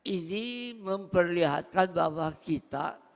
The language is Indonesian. ini memperlihatkan bahwa kita